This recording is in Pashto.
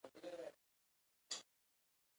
د ټوکر کارخانې ثابته پانګه کمه ده